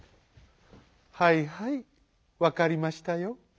「はいはいわかりましたよ」。